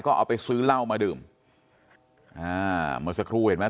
ก็เอาไปซื้อเหล้ามาดื่มอ่าเมื่อสักครู่เห็นไหม